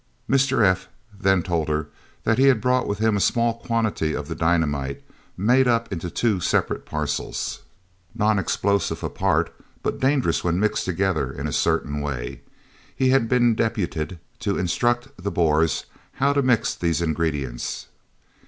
Mr. F. then told her that he had brought with him a small quantity of the dynamite, made up into two separate parcels, non explosive apart, but dangerous when mixed together in a certain way. He had been deputed to instruct the Boers how to mix these ingredients.